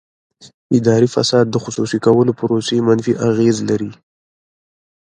اداري فساد د خصوصي کولو پروسې منفي اغېز لري.